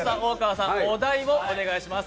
お題をお願いします。